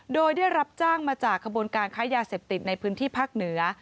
โดยได้รับจ้างมาจากขบวนการค้ายาเสพติดในพื้นที่ภาคเหนือ